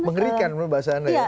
mengerikan menurut mbak dhani ya